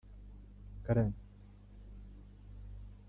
Ingoma zisumana n’impundu,